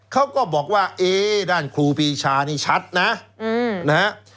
เขาก็บอกว่าเอ๊ด้านครูปีชานี่ชัดนะนะฮะ